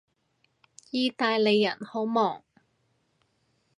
意大利人好忙